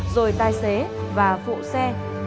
rồi tài xế và phụ xe